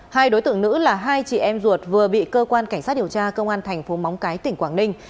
hai đối tượng nữ là hai chị em ruột vừa bị cơ quan cảnh sát điều tra công an thành phố móng cái tỉnh quảng ninh